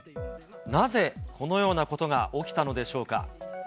なぜ、このようなことが起きたのでしょうか。